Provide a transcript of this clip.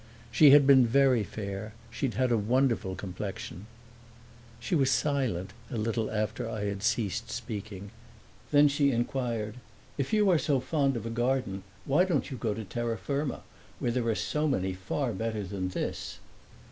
She had been very fair, she had had a wonderful complexion. She was silent a little after I had ceased speaking; then she inquired, "If you are so fond of a garden why don't you go to terra firma, where there are so many far better than this?"